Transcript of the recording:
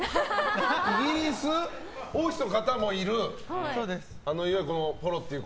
イギリス王室の方もいるポロという。